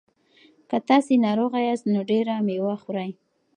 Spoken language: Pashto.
که تاسي ناروغه یاست نو ډېره مېوه خورئ.